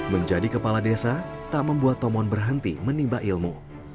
menjadi kepala desa tak membuat tomon berhenti menimba ilmu